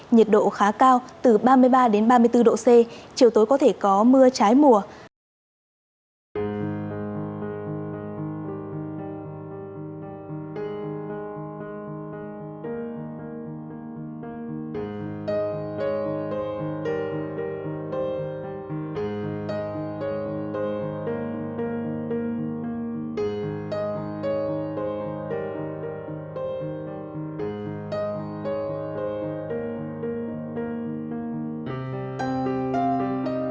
nhiệt độ khá cao từ ba mươi ba đến ba mươi bốn độ c chiều tối có thể có mưa trái mùa